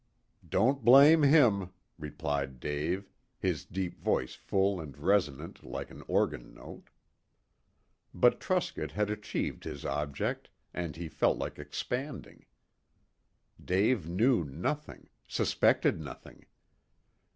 "Don't blame him," replied Dave his deep voice full and resonant like an organ note. But Truscott had achieved his object, and he felt like expanding. Dave knew nothing. Suspected nothing.